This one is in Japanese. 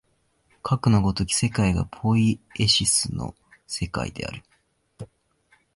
かくの如き世界がポイエシスの世界である。